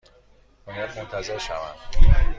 باید منتظر شوم؟